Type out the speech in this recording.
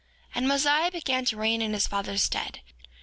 6:4 And Mosiah began to reign in his father's stead.